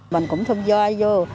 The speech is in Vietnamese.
mình cũng thông gia vô